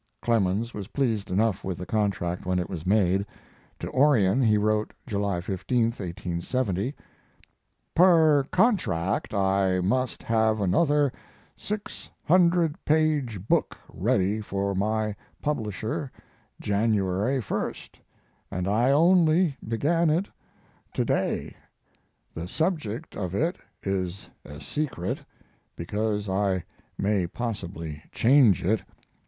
Clemens was pleased enough with the contract when it was made. To Orion he wrote July 15 (1870): Per contract I must have another six hundred page book ready for my publisher January 1st, and I only began it to day. The subject of it is a secret, because I may possibly change it.